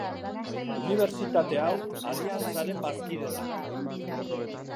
Unibertsitate hau aliantzaren bazkide da.